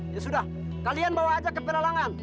ya sudah kalian bawa aja ke pelarangan